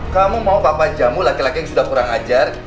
kamu mau papan jamu laki laki yang sudah kurang ajar